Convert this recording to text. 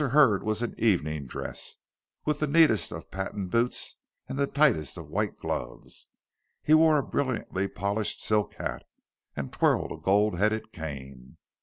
Hurd was in evening dress, with the neatest of patent boots and the tightest of white gloves. He wore a brilliantly polished silk hat, and twirled a gold headed cane.